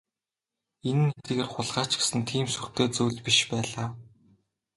Энэ нь хэдийгээр хулгай ч гэсэн тийм сүртэй зүйл биш байлаа.